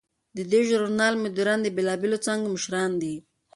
د دې ژورنال مدیران د بیلابیلو څانګو مشران دي.